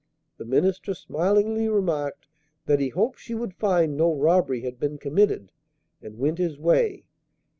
The minister smilingly remarked that he hoped she would find no robbery had been committed, and went his way.